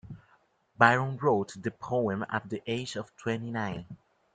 Byron wrote the poem at the age of twenty-nine.